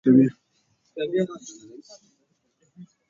علامه حبیبي روایت نقل کړ.